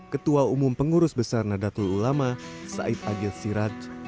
ketua umum pengurus besar nadatul ulama said agil siraj